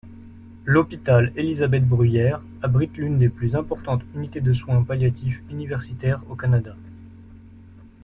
L’Hôpital Élisabeth-Bruyère abrite l’une des plus importantes unités de soins palliatifs universitaires au Canada.